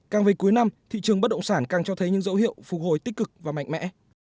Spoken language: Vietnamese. càng về cuối năm thị trường bất động sản càng cho thấy những dấu hiệu phục hồi tích cực và mạnh mẽ